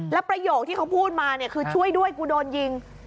แล้วประโยคที่เขาพูดมาเนี่ยคือช่วยด้วยกูโดนยิง